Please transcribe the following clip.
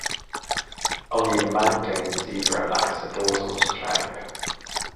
Only the mountain zebra lacks a dorsal stripe.